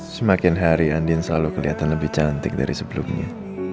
semakin hari andin selalu kelihatan lebih cantik dari sebelumnya